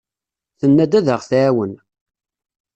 Tenna-d ad aɣ-tɛawen.